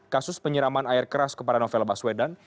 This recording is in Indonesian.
kasus penyiraman air keras kepada novel baswedan